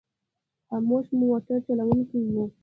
خاموش مو موټر چلوونکی و.